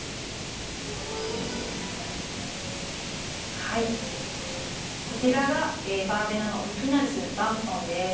はいこちらがバーベナのオフィキナリスバンプトンです。